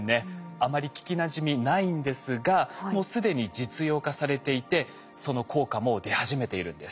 あまり聞きなじみないんですがもう既に実用化されていてその効果もう出始めているんです。